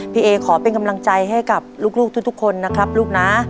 พี่เอขอเป็นกำลังใจให้กับลูกทุกคนนะครับลูกนะ